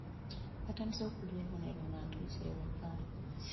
Natandise okuwulira obubonero nga ntuuse ewaka.